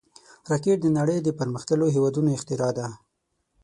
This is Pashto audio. راکټ د نړۍ د پرمختللو هېوادونو اختراع ده